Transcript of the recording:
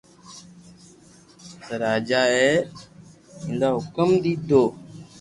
پسي راجا اي اينآ ھڪم ديدو